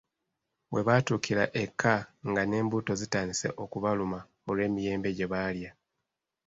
Webaatuukira eka nga n’embuto zitandise okubaluma olw’emiyembe gye baalya.